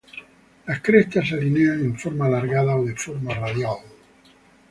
Las crestas se alinean en forma alargada o de forma radial.